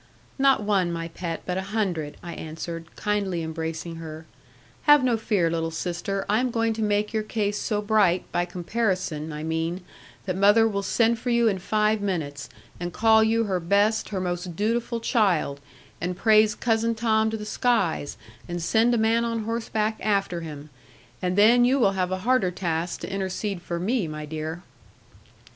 'Not one, my pet, but a hundred,' I answered, kindly embracing her: 'have no fear, little sister: I am going to make your case so bright, by comparison, I mean, that mother will send for you in five minutes, and call you her best, her most dutiful child, and praise Cousin Tom to the skies, and send a man on horseback after him; and then you will have a harder task to intercede for me, my dear.'